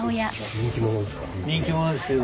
人気者ですよ。